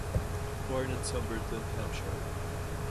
Born at Soberton, Hampshire.